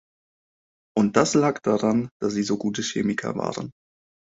Und das lag daran, dass sie so gute Chemiker waren.